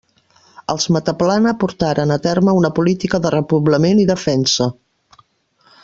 Els Mataplana portaren a terme una política de repoblament i defensa.